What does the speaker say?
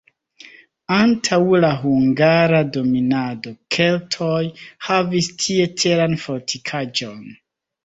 Antaŭ la hungara dominado keltoj havis tie teran fortikaĵon.